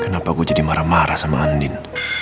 kenapa gue jadi marah marah sama andin